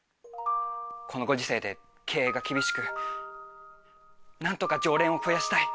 このご時世で経営が厳しく何とか常連を増やしたい。